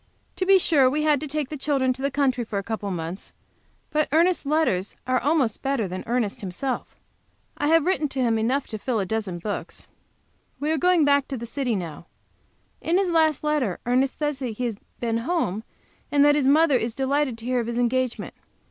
To be sure, we had to take the children to the country for a couple of months, but Ernest's letters are almost better than Ernest himself. I have written enough to him to fill a dozen books. We are going back to the city now. In his last letter Ernest says he has been home, and that his mother is delighted to hear of his engagement.